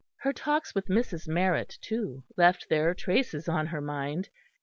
Her talks with Mrs. Marrett, too, left their traces on her mind.